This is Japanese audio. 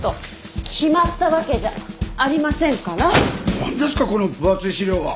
何ですかこの分厚い資料は。